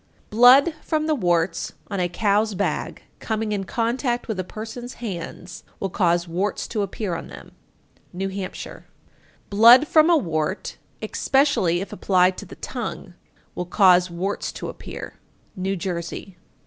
872. Blood from the warts on a cow's bag coming in contact with a person's hands will cause warts to appear on them. New Hampshire. 873. Blood from a wart, especially if applied to the tongue, will cause warts to appear. _New Jersey.